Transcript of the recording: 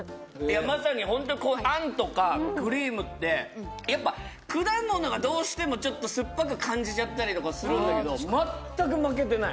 まさに本当にあんとかクリームってやっぱ果物がどうしてもちょっと酸っぱく感じちゃったりとかするんだけど全く負けてない